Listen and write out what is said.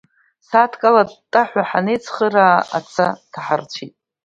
Сааҭк ала, аттаҳәа ҳанеицхыраа, аца ҭаҳарцәит.